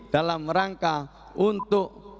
dalam rangka untuk